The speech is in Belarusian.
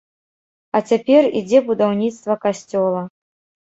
А цяпер ідзе будаўніцтва касцёла.